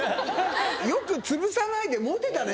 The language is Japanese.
よくつぶさないで持てたね